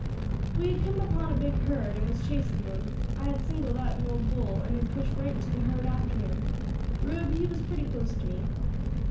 "We had come upon a big herd, and was chasing them. I had singled out an old bull, and had pushed right into the herd after him; Rube, he was pretty close to me.